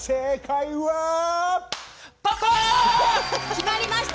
決まりました